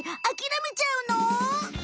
あきらめちゃうの？